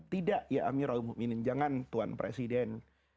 tidak ya amirul muhminin jangan tuan presiden